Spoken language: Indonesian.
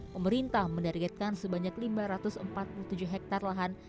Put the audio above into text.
pemerintah menargetkan sebanyak lima ratus empat puluh tujuh hektare lahan